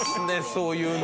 そういうの。